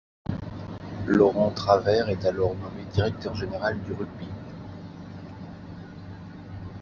Laurent Travers est alors nommé directeur général du rugby.